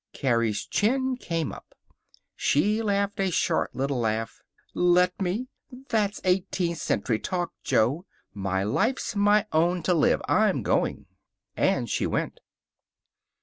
Carrie's chin came up. She laughed a short little laugh. "Let me! That's eighteenth century talk, Jo. My life's my own to live. I'm going." And she went.